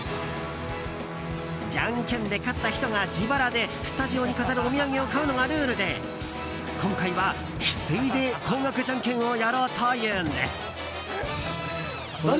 じゃんけんで勝った人が自腹でスタジオに飾るお土産を買うのがルールで今回はヒスイで高額じゃんけんをやろうというんです。